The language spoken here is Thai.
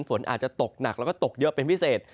ฝนอาจจะตกหนักแล้วก็ตกเยอะเป็นพิเศษ